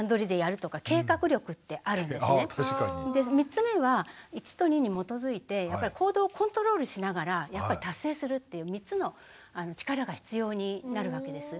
３つ目は１と２に基づいて行動をコントロールしながら達成するっていう３つの力が必要になるわけです。